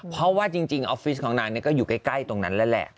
เพราะว่าจริงออฟฟิศของนางก็อยู่ใกล้ตรงนั้นแล้วแหละ